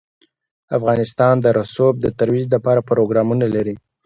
افغانستان د رسوب د ترویج لپاره پروګرامونه لري.